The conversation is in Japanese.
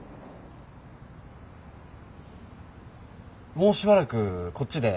もうしばらくこっちで。